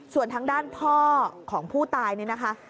ส่วนทางด้านพ่อของผู้ตายเนี่ยนะคะ